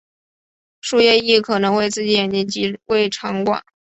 树液亦可能会刺激眼睛及胃肠管。